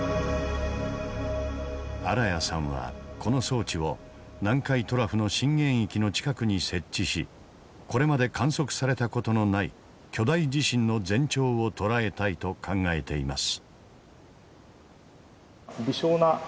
新谷さんはこの装置を南海トラフの震源域の近くに設置しこれまで観測された事のない巨大地震の前兆を捉えたいと考えています。